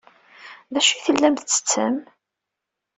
D acu ay tellam tettettem?